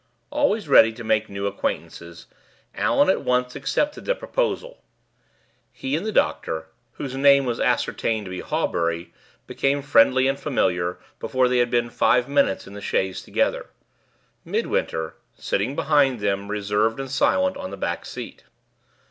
Always ready to make new acquaintances, Allan at once accepted the proposal. He and the doctor (whose name was ascertained to be Hawbury) became friendly and familiar before they had been five minutes in the chaise together; Midwinter, sitting behind them, reserved and silent, on the back seat.